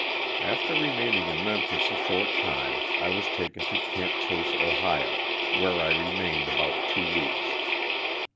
After remaining in Memphis a short time I was taken to ''Camp Chase," Ohio, where I remained about two weeks.